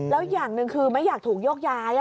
แล้วอย่างหนึ่งคือไม่อยากถูกโยกย้าย